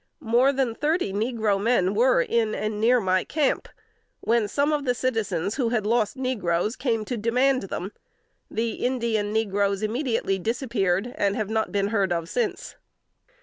More than thirty negro men were in and near my camp, when some of the citizens, who had lost negroes, came to demand them. The Indian negroes immediately disappeared, and have not been heard of since."